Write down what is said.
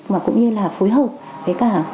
và cũng như là phối hợp với cả